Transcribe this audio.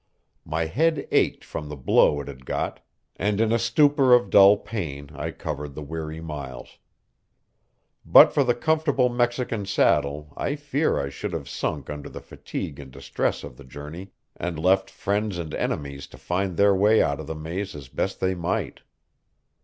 My head ached from the blow it had got, and in a stupor of dull pain I covered the weary miles. But for the comfortable Mexican saddle I fear I should have sunk under the fatigue and distress of the journey and left friends and enemies to find their way out of the maze as best they might.